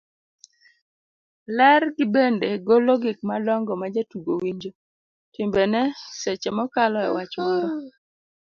ler gi bende golo gik madongo majatugo winjo, timbene seche mokalo e wach moro